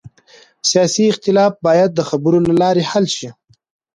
سیاسي اختلاف باید د خبرو له لارې حل شي